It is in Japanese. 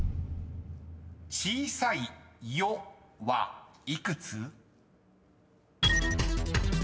［小さい「よ」は幾つ？］